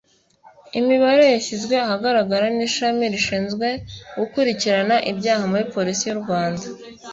Imibare yashyizwe ahagaragara n’ishami rishinzwe gukurikirana ibyaha muri Polisi y’u Rwanda